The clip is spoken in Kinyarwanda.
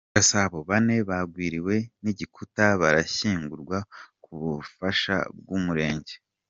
Gasabo: Bane bagwiriwe n’ igikuta barashyingurwa k’ ubufasha bw’ Umurenge.